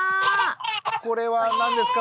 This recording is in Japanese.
これは何ですか